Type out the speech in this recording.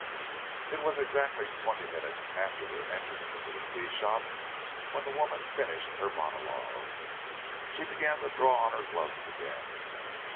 It was exactly twenty minutes after their entrance into the teashop when the woman finished her monologue. She began to draw on her gloves again.